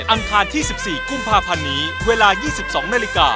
อาคารที่๑๔กุมภาพันธ์นี้เวลา๒๒นาฬิกา